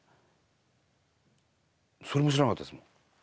それも知らなかったですもん。